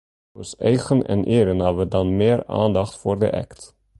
Us eagen en earen hawwe dan mear oandacht foar de act.